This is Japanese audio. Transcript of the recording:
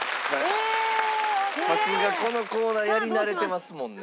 さすがこのコーナーやり慣れてますもんね。